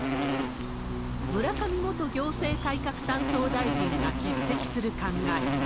村上元行政改革担当大臣が欠席する考え。